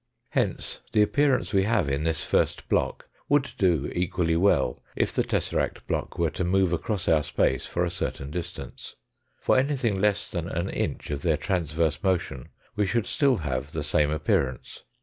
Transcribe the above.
Hence the appearance we have in this first block would do equally well if the tesseract block were to move across our space for a certain distance. For anything less than an inch of their trans verse motion we should still have the same appearance.